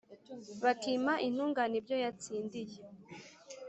bakima intungane ibyo yatsindiye.